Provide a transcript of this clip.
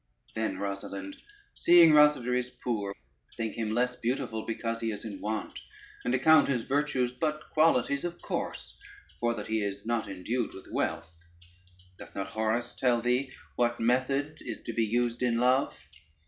Then, Rosalynde, seeing Rosader is poor, think him less beautiful because he is in want, and account his virtues but qualities of course for that he is not endued with wealth. Doth not Horace tell thee what method is to be used in love?